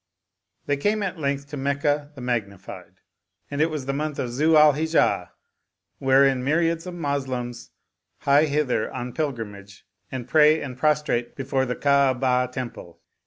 They came at length to Meccah the Magnified, and it was the month Zu al Hij jah wherein myriads of Mos 125 Oriental Mystery Stories lems hie thither on pilgrimage and pray and prostrate before the Ka'abah temple.